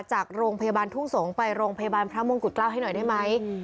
จากโรงพยาบาลทุ่งสงศ์ไปโรงพยาบาลพระมงกุฎเกล้าให้หน่อยได้ไหม